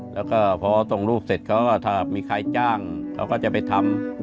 แล้วก็พอส่งรูปเสร็จเขาก็ถ้ามีใครจ้างเขาก็จะไปทำ